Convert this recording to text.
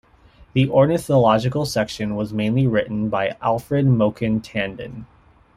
The ornithological section was mainly written by Alfred Moquin-Tandon.